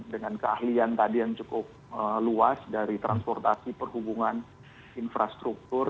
dengan keahlian tadi yang cukup luas dari transportasi perhubungan infrastruktur